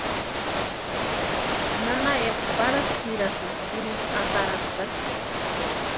Nana Eva Parachu nirasïnti kurhinta atarantani.